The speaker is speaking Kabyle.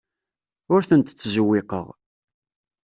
Ur tent-ttzewwiqeɣ.